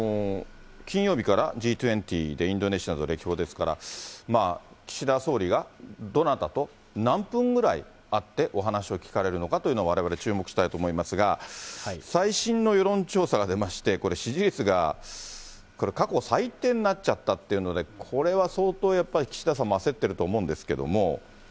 金曜日からＧ２０でインドネシアなど歴訪ですから、岸田総理が、どなたと何分ぐらい会ってお話を聞かれるのかというのは、われわれ注目したいと思いますが、最新の世論調査が出まして、これ、支持率が過去最低になっちゃったっていうので、これは相当、やっぱり、岸田さんも焦ってると思うんですけれども。